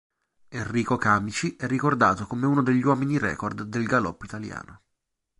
Enrico Camici è ricordato uno degli uomini-record del galoppo italiano.